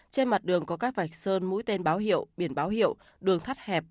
trên mặt đường có các vạch sơn mũi tên báo hiệu biển báo hiệu đường thắt hẹp